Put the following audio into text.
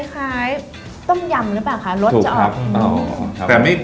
คล้ายต้มยำหรือเปล่าคะรสจะออก